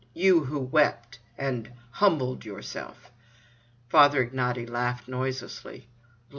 You who wept, and——humbled yourself?" Father Ignaty laughed noiselessly.